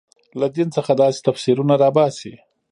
له دین څخه داسې تفسیرونه راباسي.